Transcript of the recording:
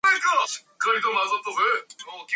Favoriten is the most populous of the districts of Vienna.